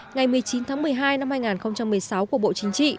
ngày một mươi chín tháng một mươi hai năm hai nghìn một mươi sáu của bộ chính trị